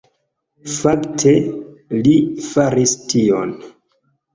Fakte, li faris tion